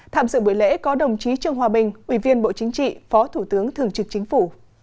tham dự buổi lễ có đồng chí trương hòa bình ủy viên bộ chính trị phó thủ tướng thường trực chính phủ